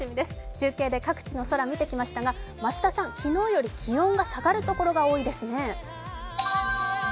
中継で各地の空見てきましたが、増田さん昨日より気温が下がるところが多いですね。